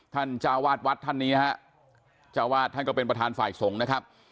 จ้าวาดวัดท่านนี้ฮะเจ้าวาดท่านก็เป็นประธานฝ่ายสงฆ์นะครับ